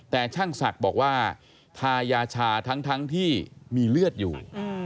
แต่ช่างศักดิ์บอกว่าทายาชาทั้งที่มีเลือดอยู่